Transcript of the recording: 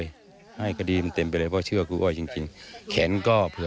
ทำไมถึงอยากได้๒อย่างนี้อ่ะพ่อ